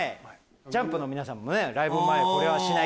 ＪＵＭＰの皆さんもライブ前これはしない！